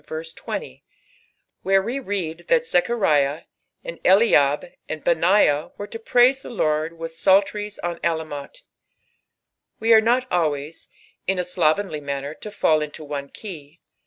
20, where tee read Ihai Zechariah, and Sidb, and Benaiah were to praise the Lord " leilh psalltries on AtamoQi." Wearenot aliaays. in a slovenly manner, to fall into one key.